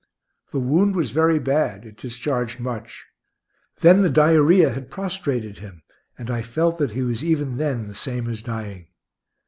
The wound was very bad; it discharged much. Then the diarrhoea had prostrated him, and I felt that he was even then the same as dying.